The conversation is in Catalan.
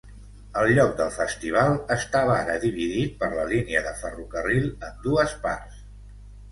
El lloc del festival estava ara dividit per la línia de ferrocarril en dues parts.